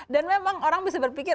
dan memang orang bisa berpikir